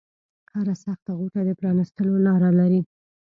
هره سخته غوټه د پرانیستلو لاره لري